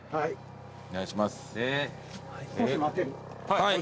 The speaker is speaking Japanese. はい。